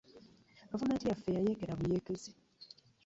Gavumenti yaffe yeyeekera buyeekezi.